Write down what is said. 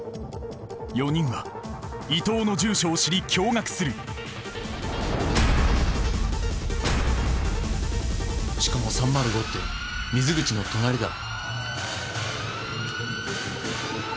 ４人は伊藤の住所を知り驚がくするしかも３０５って水口の隣だ。